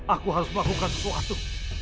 aku harus melakukan sesuatu